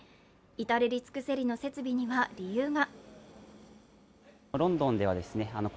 至れり尽くせりの設備には理由が。